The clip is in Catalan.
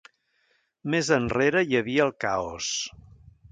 Més enrere hi havia el caos.